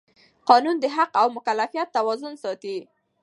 قانون د حق او مکلفیت توازن ساتي.